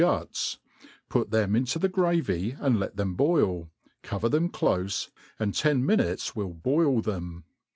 guts), put them into the gravy, and let them boil, coyer them clofe, ,and ten minutes will boil them.